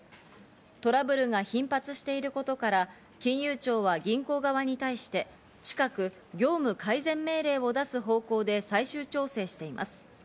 トラブルが頻発していることから、金融庁は銀行側に対して近く業務改善命令を出す方向で最終調整しています。